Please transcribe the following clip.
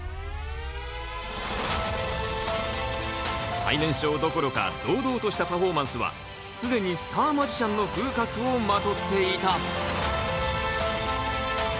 最年少どころか堂々としたパフォーマンスは既にスターマジシャンの風格をまとっていた。